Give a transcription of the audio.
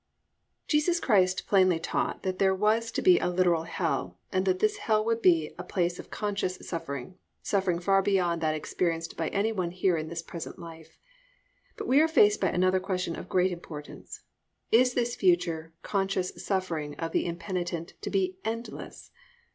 Jesus Christ plainly taught that there was to be a literal hell and that this hell would be a place of conscious suffering, suffering far beyond that experienced by any one here in this present life, but we are faced by another question of great importance, Is this future, conscious suffering of the impenitent to be endless?